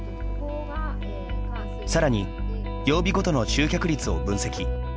さらに曜日ごとの集客率を分析。